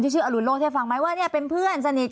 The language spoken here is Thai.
ชื่ออรุณโลศให้ฟังไหมว่าเนี่ยเป็นเพื่อนสนิท